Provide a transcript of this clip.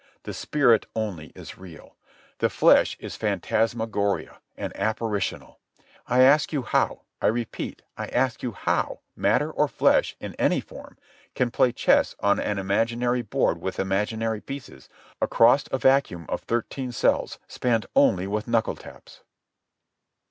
The spirit only is real. The flesh is phantasmagoria and apparitional. I ask you how—I repeat, I ask you how matter or flesh in any form can play chess on an imaginary board with imaginary pieces, across a vacuum of thirteen cells spanned only with knuckle taps?